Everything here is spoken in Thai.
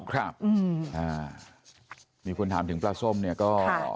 ครับมีคนถามถึงปลาส้มเนี่ยก็